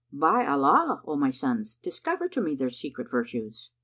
"By Allah, O my sons, discover to me their secret virtues."